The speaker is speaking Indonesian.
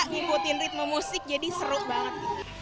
ngikutin ritme musik jadi seru banget